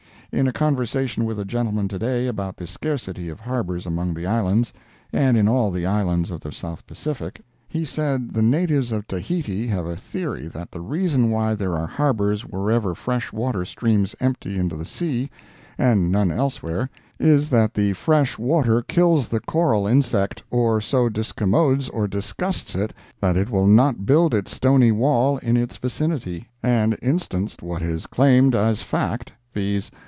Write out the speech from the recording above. In a conversation with a gentleman to day about the scarcity of harbors among the islands (and in all the islands of the South Pacific), he said the natives of Tahiti have a theory that the reason why there are harbors wherever fresh water streams empty into the sea, and none elsewhere, is that the fresh water kills the coral insect, or so discommodes or disgusts it that it will not build its stony wall in its vicinity, and instanced what is claimed as fact, viz.